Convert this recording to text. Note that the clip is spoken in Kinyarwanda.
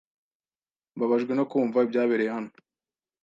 Mbabajwe no kumva ibyabereye hano.